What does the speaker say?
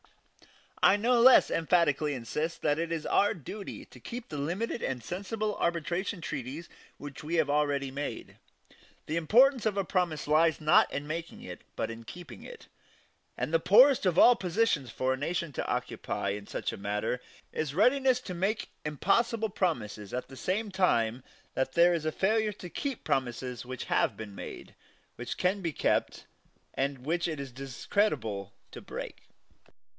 I no less emphatically insist that it is our duty to keep the limited and sensible arbitration treaties which we have already made. The importance of a promise lies not in making it, but in keeping it; and the poorest of all positions for a nation to occupy in such a matter is readiness to make impossible promises at the same time that there is failure to keep promises which have been made, which can be kept, and which it is discreditable to break.